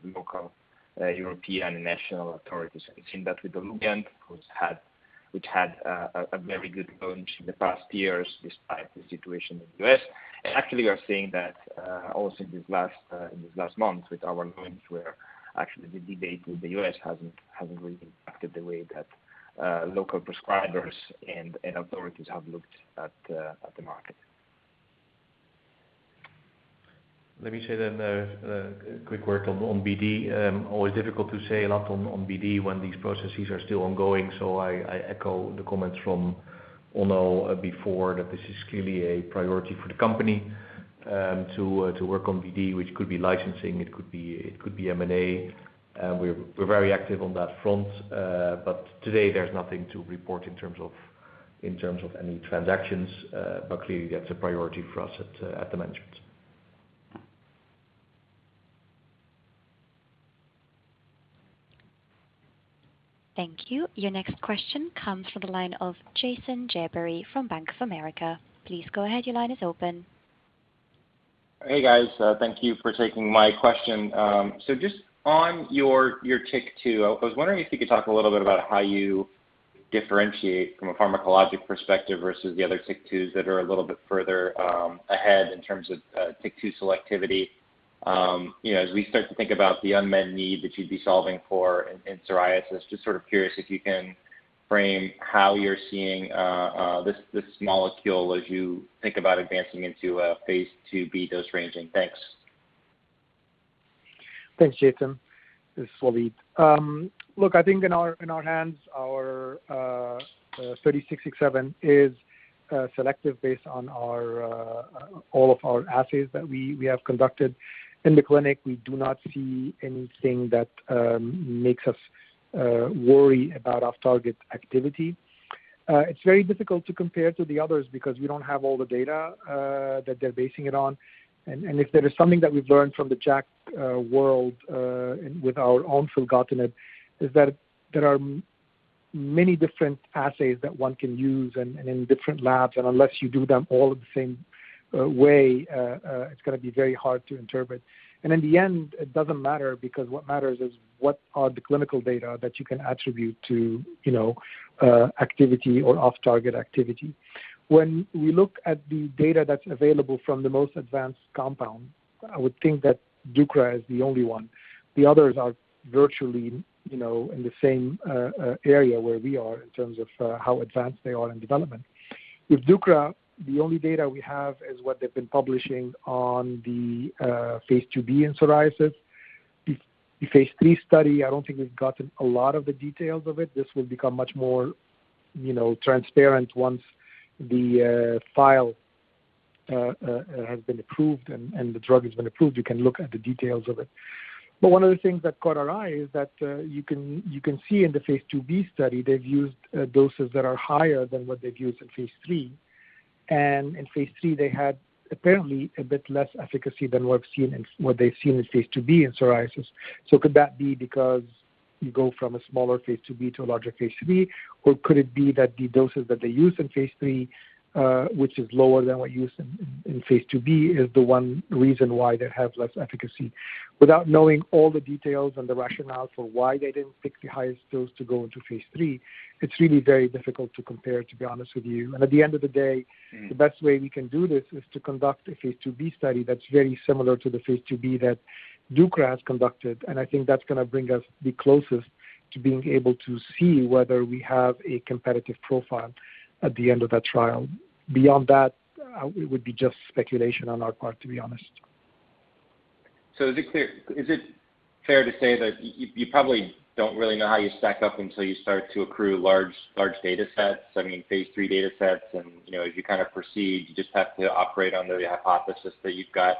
local European national authorities. We've seen that with Olumiant, which had a very good launch in the past years despite the situation in the U.S. Actually, we are seeing that also in these last months with our launch where actually the debate with the U.S. hasn't really impacted the way that local prescribers and authorities have looked at the market. Let me say a quick word on BD. Always difficult to say a lot on BD when these processes are still ongoing. I echo the comments from Onno before that this is clearly a priority for the company, to work on BD, which could be licensing, it could be M&A. We're very active on that front. Today there's nothing to report in terms of any transactions. Clearly, that's a priority for us at the management. Thank you. Your next question comes from the line of Jason Gerberry from Bank of America. Please go ahead. Your line is open. Hey, guys. Thank you for taking my question. Just on your TYK2, I was wondering if you could talk a little bit about how you differentiate from a pharmacologic perspective versus the other TYK2s that are a little bit further ahead in terms of TYK2 selectivity. As we start to think about the unmet need that you'd be solving for in psoriasis, just sort of curious if you can frame how you're seeing this molecule as you think about advancing into a phase II-B dose ranging. Thanks. Thanks, Jason. This is Walid. Look, I think in our hands, our GLPG3667 is selective based on all of our assays that we have conducted. In the clinic, we do not see anything that makes us worry about off-target activity. It's very difficult to compare to the others because we don't have all the data that they're basing it on. If there is something that we've learned from the JAK world with our own filgotinib is that there are many different assays that one can use and in different labs, and unless you do them all the same way, it's going to be very hard to interpret. In the end, it doesn't matter because what matters is what are the clinical data that you can attribute to activity or off-target activity? When we look at the data that's available from the most advanced compound, I would think that deucrav is the only one. The others are virtually in the same area where we are in terms of how advanced they are in development. With deucrav, the only data we have is what they've been publishing on the phase II-B in psoriasis. The phase III study, I don't think we've gotten a lot of the details of it. This will become much more transparent once the file has been approved and the drug has been approved. You can look at the details of it. One of the things that caught our eye is that you can see in the phase II-B study, they've used doses that are higher than what they've used in phase III. In phase III, they had apparently a bit less efficacy than what they've seen in phase II-B in psoriasis. Could that be you go from a smaller phase II-B to a larger phase III, or could it be that the doses that they use in phase III, which is lower than what used in phase II-B, is the one reason why they have less efficacy? Without knowing all the details and the rationale for why they didn't pick the highest dose to go into phase III, it's really very difficult to compare, to be honest with you. At the end of the day, the best way we can do this is to conduct a phase II-B study that's very similar to the phase II-B that BMS has conducted. I think that's going to bring us the closest to being able to see whether we have a competitive profile at the end of that trial. Beyond that, it would be just speculation on our part, to be honest. Is it fair to say that you probably don't really know how you stack up until you start to accrue large data sets? I mean, phase III data sets and as you proceed, you just have to operate under the hypothesis that you've got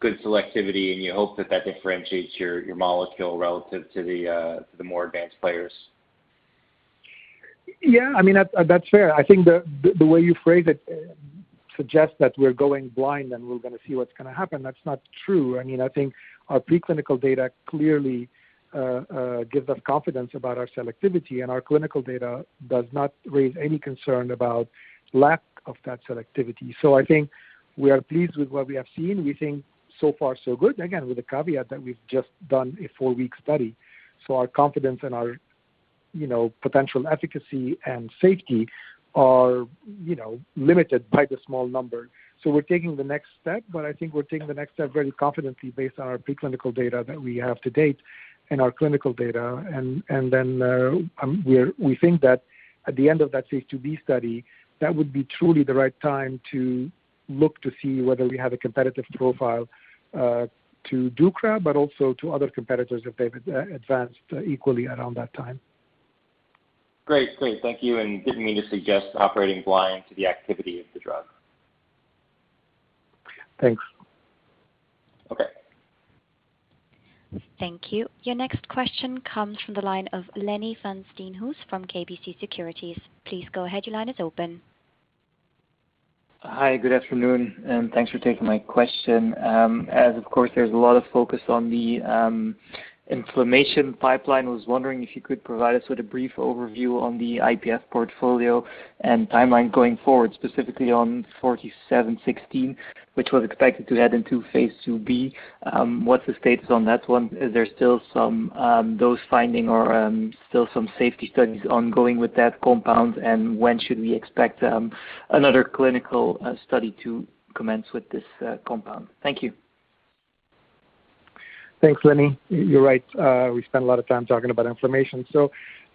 good selectivity, and you hope that that differentiates your molecule relative to the more advanced players. Yeah, that's fair. I think the way you phrase it suggests that we're going blind and we're going to see what's going to happen. That's not true. I think our pre-clinical data clearly gives us confidence about our selectivity, and our clinical data does not raise any concern about lack of that selectivity. I think we are pleased with what we have seen. We think so far so good, again, with the caveat that we've just done a four-week study. Our confidence and our potential efficacy and safety are limited by the small number. We're taking the next step, but I think we're taking the next step very confidently based on our pre-clinical data that we have to date and our clinical data. We think that at the end of that phase II-B study, that would be truly the right time to look to see whether we have a competitive profile to deucrav, but also to other competitors if they've advanced equally around that time. Great. Thank you. Didn't mean to suggest operating blind to the activity of the drug. Thanks. Okay. Thank you. Your next question comes from the line of Lenny Van Steenhuyse from KBC Securities. Please go ahead. Your line is open. Hi, good afternoon, thanks for taking my question. As of course, there's a lot of focus on the inflammation pipeline. I was wondering if you could provide us with a brief overview on the IPF portfolio and timeline going forward, specifically on GLPG4716, which was expected to head into phase II-B. What's the status on that one? Is there still some dose finding or still some safety studies ongoing with that compound? When should we expect another clinical study to commence with this compound? Thank you. Thanks, Lenny. You're right. We spent a lot of time talking about inflammation.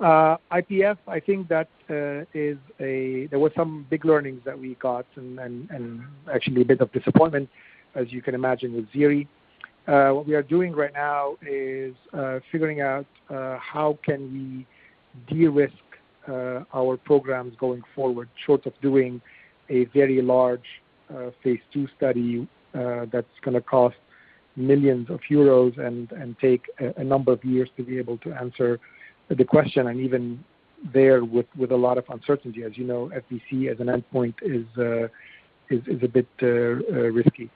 IPF, I think there was some big learnings that we got and actually a bit of disappointment, as you can imagine, with ziritaxestat. What we are doing right now is figuring out how can we de-risk our programs going forward, short of doing a very large phase II study that's going to cost millions of euros and take a number of years to be able to answer the question, and even there, with a lot of uncertainty. As you know, FVC as an endpoint is a bit risky.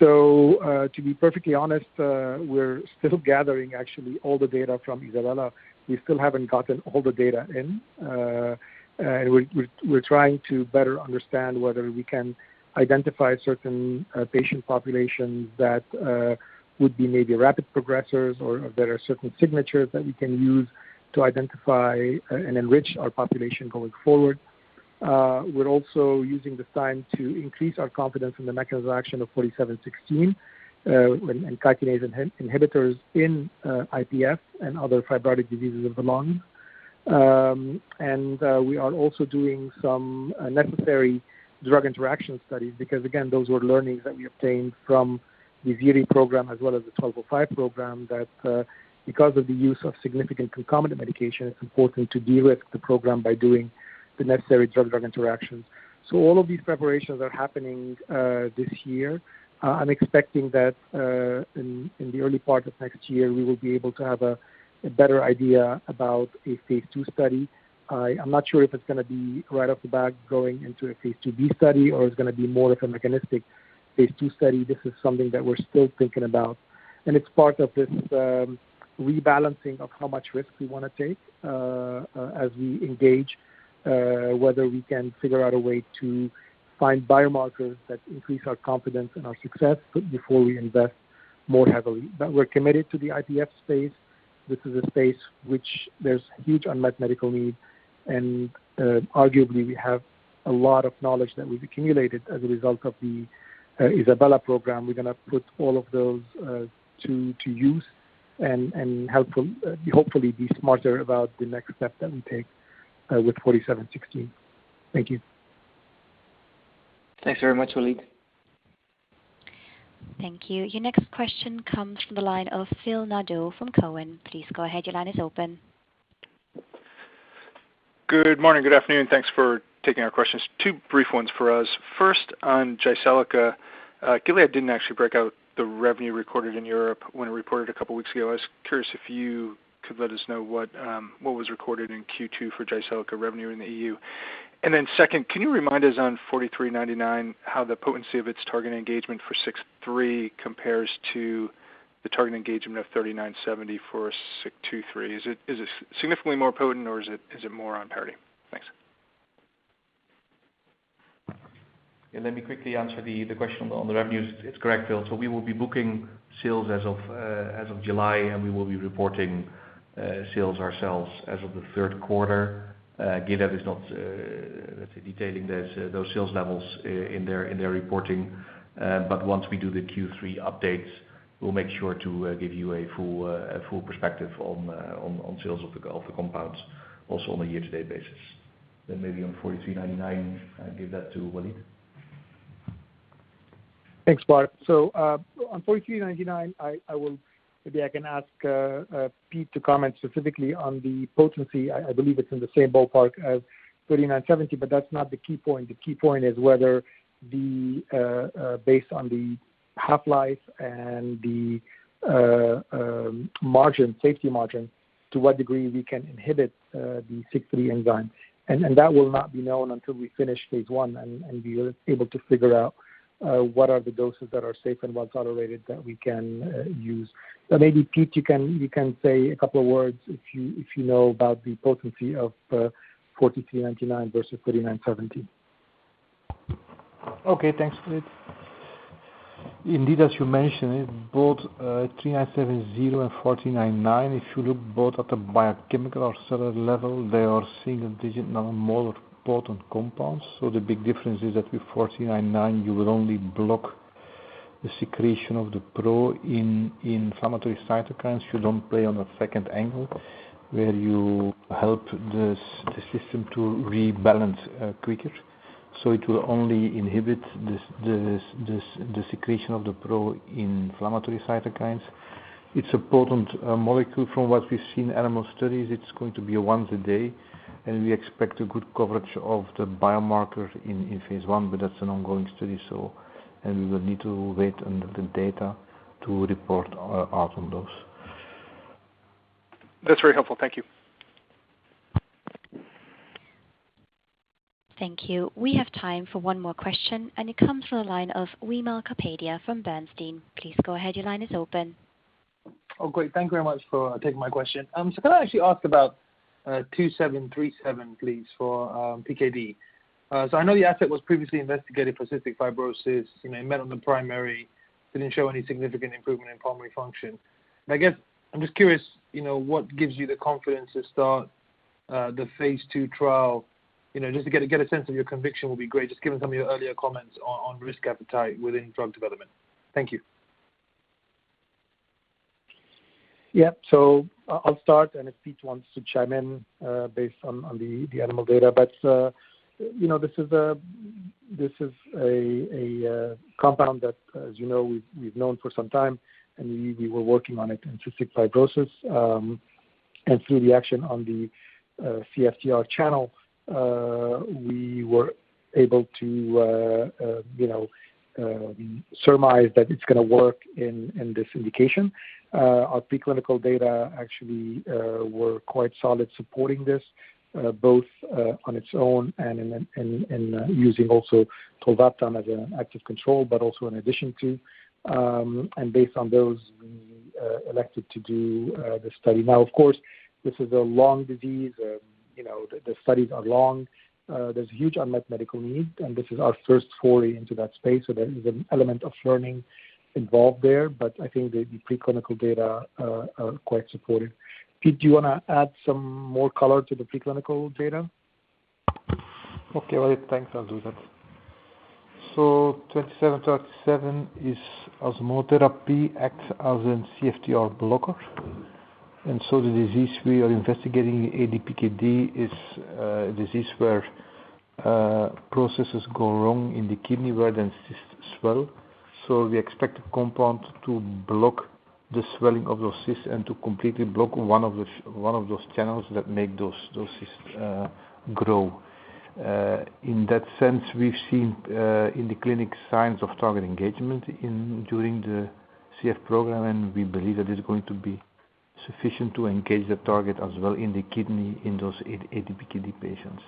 To be perfectly honest, we're still gathering actually all the data from ISABELA. We still haven't gotten all the data in. We're trying to better understand whether we can identify certain patient populations that would be maybe rapid progressers or there are certain signatures that we can use to identify and enrich our population going forward. We're also using this time to increase our confidence in the mechanism of action of GLPG4716 and kinase inhibitors in IPF and other fibrotic diseases of the lung. We are also doing some necessary drug interaction studies because, again, those were learnings that we obtained from the ziritaxestat program as well as the GLPG1205 program that, because of the use of significant concomitant medication, it's important to de-risk the program by doing the necessary drug-drug interactions. All of these preparations are happening this year. I'm expecting that in the early part of next year, we will be able to have a better idea about a phase II study. I'm not sure if it's going to be right off the bat going into a phase II-B study or it's going to be more of a mechanistic phase II study. This is something that we're still thinking about, and it's part of this rebalancing of how much risk we want to take as we engage, whether we can figure out a way to find biomarkers that increase our confidence and our success before we invest more heavily. We're committed to the IPF space. This is a space which there's huge unmet medical need, and arguably, we have a lot of knowledge that we've accumulated as a result of the ISABELA program. We're going to put all of those to use and hopefully be smarter about the next step that we take with GLPG4716. Thank you. Thanks very much, Walid. Thank you. Your next question comes from the line of Phil Nadeau from Cowen. Please go ahead. Your line is open. Good morning. Good afternoon. Thanks for taking our questions. Two brief ones for us. First, on Jyseleca. Gilead didn't actually break out the revenue recorded in Europe when it reported a couple of weeks ago. I was curious if you could let us know what was recorded in Q2 for Jyseleca revenue in the EU. Second, can you remind us on GLPG4399 how the potency of its target engagement for SIK3 compares to the target engagement of GLPG3970 for SIK2/3? Is it significantly more potent or is it more on parity? Thanks. Let me quickly answer the question on the revenues. It's correct, Phil. We will be booking sales as of July, and we will be reporting sales ourselves as of the third quarter. Gilead is not detailing those sales levels in their reporting. Once we do the Q3 updates, we'll make sure to give you a full perspective on sales of the compounds also on a year-to-date basis. Maybe on GLPG4399, I give that to Walid. Thanks, Bart. On GLPG4399, maybe I can ask Piet to comment specifically on the potency. I believe it's in the same ballpark as GLPG3970. That's not the key point. The key point is whether based on the half-life and the safety margin, to what degree we can inhibit the SIK3 enzyme. That will not be known until we finish phase I and we are able to figure out what are the doses that are safe and well-tolerated that we can use. Maybe, Piet, you can say a couple of words if you know about the potency of GLPG4399 versus GLPG3970. Okay, thanks, Walid. Indeed, as you mentioned, both GLPG3970 and GLPG4399, if you look both at the biochemical or cellular level, they are single-digit nanomolar potent compounds. The big difference is that with GLPG4399, you will only block the secretion of the pro-inflammatory cytokines. You don't play on the second angle, where you help the system to rebalance quicker. It will only inhibit the secretion of the pro-inflammatory cytokines. It's a potent molecule. From what we've seen in animal studies, it's going to be once a day, and we expect good coverage of the biomarker in phase I, but that's an ongoing study, and we will need to wait on the data to report out on those. That's very helpful. Thank you. Thank you. We have time for one more question, and it comes from the line of Wimal Kapadia from Bernstein. Please go ahead. Your line is open. Oh, great. Thank you very much for taking my question. Can I actually ask about GLPG2737, please, for PKD? I know the asset was previously investigated for cystic fibrosis. It met on the primary, didn't show any significant improvement in pulmonary function. I guess I'm just curious, what gives you the confidence to start the phase II trial? Just to get a sense of your conviction will be great, just given some of your earlier comments on risk appetite within drug development. Thank you. Yeah. I'll start, and if Piet wants to chime in based on the animal data. This is a compound that, as you know, we've known for some time, and we were working on it in cystic fibrosis. Through the action on the CFTR channel, we were able to surmise that it's going to work in this indication. Our preclinical data actually were quite solid supporting this, both on its own and using tolvaptan as an active control, but also in addition to. Based on those, we elected to do the study. Now, of course, this is a long disease. The studies are long. There's a huge unmet medical need, and this is our first foray into that space. There is an element of learning involved there, but I think the preclinical data are quite supportive. Piet, do you want to add some more color to the preclinical data? Okay. Walid, thanks. I'll do that. GLPG2737 is [as more therapy], acts as a CFTR blocker. The disease we are investigating, ADPKD, is a disease where processes go wrong in the kidney, where then cysts swell. We expect the compound to block the swelling of those cysts and to completely block one of those channels that make those cysts grow. In that sense, we've seen in the clinic signs of target engagement during the CF program, and we believe that it's going to be sufficient to engage the target as well in the kidney in those ADPKD patients.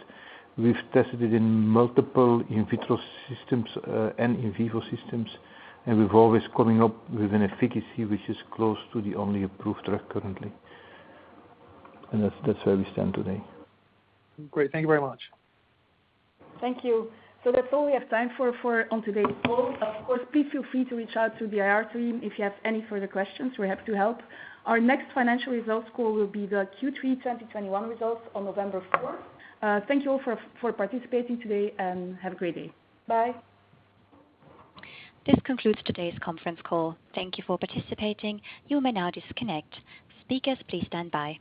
We've tested it in multiple in vitro systems and in vivo systems, and we're always coming up with an efficacy which is close to the only approved drug currently. That's where we stand today. Great. Thank you very much. Thank you. That's all we have time for on today's call. Of course, please feel free to reach out to the IR team if you have any further questions. We're happy to help. Our next financial results call will be the Q3 2021 results on November 4th. Thank you all for participating today, and have a great day. Bye. This concludes today's conference call. Thank you for participating. You may now disconnect. Speakers, please stand by.